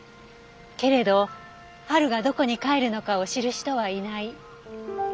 けれど春がどこに帰るのかを知る人はいない。